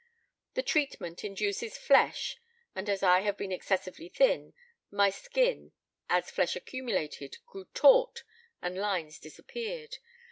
The treatment induces flesh, and as I had been excessively thin, my skin, as flesh accumulated, grew taut and lines disappeared.